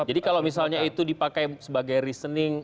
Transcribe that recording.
jadi kalau misalnya itu dipakai sebagai reasoning